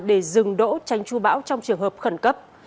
để dừng đỗ tranh tru bão trong trường hợp khẩn cấp